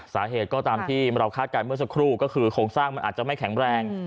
สาเหตุก็ตามที่เราคาดการณ์เมื่อสักครู่ก็คือโครงสร้างมันอาจจะไม่แข็งแรง